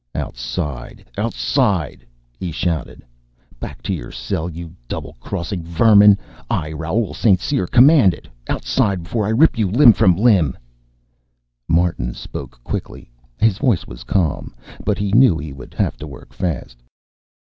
"Outside, outside!" he shouted. "Back to your cell, you double crossing vermin! I, Raoul St. Cyr, command it. Outside, before I rip you limb from limb " Martin spoke quickly. His voice was calm, but he knew he would have to work fast.